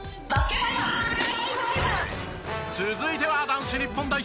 続いては男子日本代表。